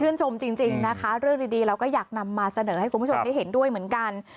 ชมจริงนะคะเรื่องดีเราก็อยากนำมาเสนอให้คุณผู้ชมได้เห็นด้วยเหมือนกัน